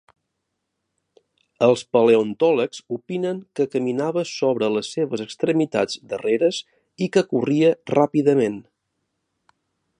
Els paleontòlegs opinen que caminava sobre les seves extremitats darreres i que corria ràpidament.